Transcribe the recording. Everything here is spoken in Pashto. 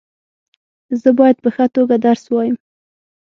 زه باید په ښه توګه درس وایم.